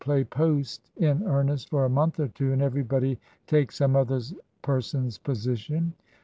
173 play post in earnest for a month or two, and everybody take some other person's position.